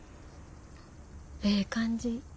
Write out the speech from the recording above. ええ感じ。